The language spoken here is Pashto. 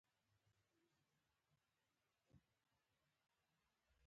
ډيپلوماسي د هیوادونو ترمنځ د همکاری بنسټ دی.